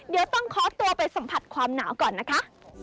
เดี๋ยวต้องขอตัวไปสัมผัสความหนาวก่อนนะคะ